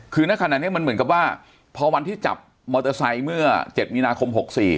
คือณขณะนี้มันเหมือนกับว่าพอวันที่จับมอเตอร์ไซค์เมื่อ๗มีนาคม๖๔